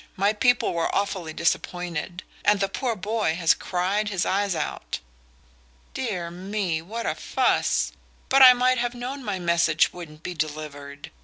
My people were awfully disappointed; and the poor boy has cried his eyes out." "Dear me! What a fuss! But I might have known my message wouldn't be delivered.